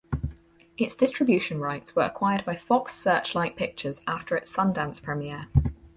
Its distribution rights were acquired by Fox Searchlight Pictures after its Sundance premiere.